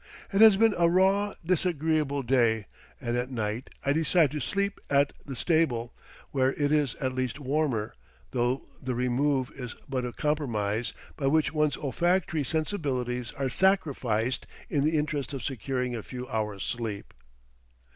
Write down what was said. It has been a raw, disagreeable day, and at night I decide to sleep in the stable, where it is at least warmer, though the remove is but a compromise by which one's olfactory sensibilities are sacrificed in the interest of securing a few hours' sleep.